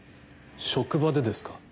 職場でですか？